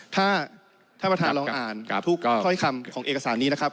ถ้าประธานร้องอ่านทุกข้อให้คำของเอกสารนี้นะครับ